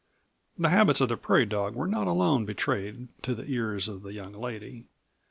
The habits of the prairie dog were not alone betrayed to the ears of the young lady.